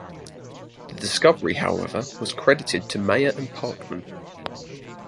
The discovery however was credited to Meyer and Parkman.